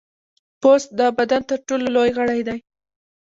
پوست د بدن تر ټولو لوی غړی دی.